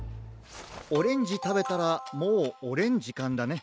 オレンジたべたらもうおれんじかんだね。